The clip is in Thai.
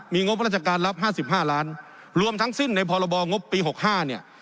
มีงบราชการรับห้าสิบห้าล้านรวมทั้งสิ้นในพรบองบปีหกห้าเนี้ย